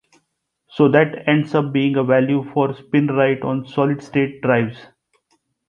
So that ends up being a value for SpinRite on solid-state drives.